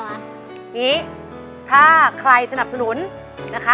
อย่างนี้ถ้าใครสนับสนุนนะคะ